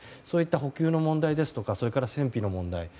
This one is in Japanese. そういった補給の問題ですとか戦費の問題